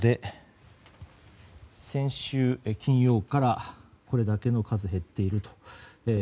先週金曜からこれだけの数減っていると。